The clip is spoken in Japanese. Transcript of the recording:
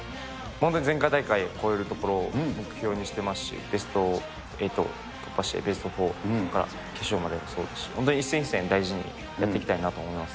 前回大会を超えるところを目標にしてますし、ベスト８を突破してベスト４、そして、決勝までもそうですし、本当に一戦一戦大事にやっていきたいなと思います。